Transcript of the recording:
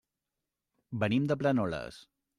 Venim de Planoles.